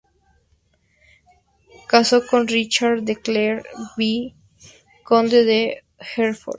Casó con Richard de Clare, V conde de Hertford.